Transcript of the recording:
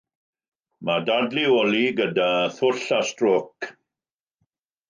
Mae dadleoli gyda thwll a strôc.